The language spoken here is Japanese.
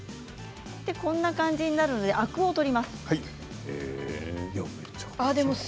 こんな感じになるのでアクを取ります。